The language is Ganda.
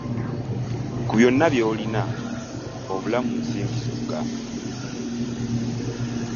Ku byonna by'olina, obulamu nsimbi zokka!